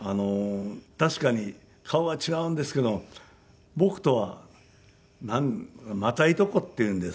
確かに顔は違うんですけど僕とはまたいとこっていうんですかね。